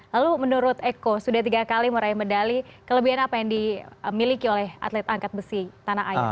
lalu menurut eko sudah tiga kali meraih medali kelebihan apa yang dimiliki oleh atlet angkat besi tanah air